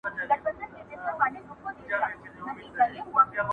زه سینې د حیوانانو څیرومه!.